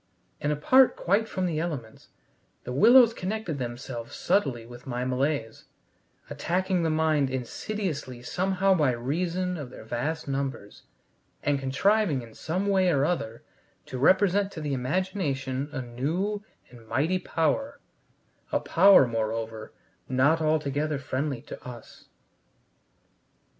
And, apart quite from the elements, the willows connected themselves subtly with my malaise, attacking the mind insidiously somehow by reason of their vast numbers, and contriving in some way or other to represent to the imagination a new and mighty power, a power, moreover, not altogether friendly to us.